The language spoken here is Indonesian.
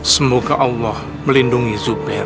semoga allah melindungi subir